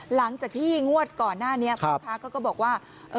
หลังจากที่งวดก่อนหน้านี้พ่อค้าเขาก็บอกว่า